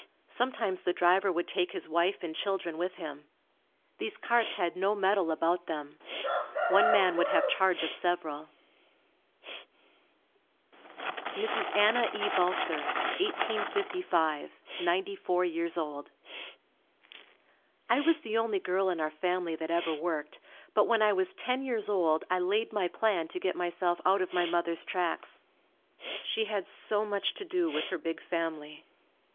Sometimes the driver would take his wife and children with him. These carts had no metal about them. One man would have charge of several. Mrs. Anna E. Balser 1855, Ninety four years old. I was the only girl in our family that ever worked, but when I was ten years old I laid my plan to get myself out of my mother's tracks. She had so much to do with her big family.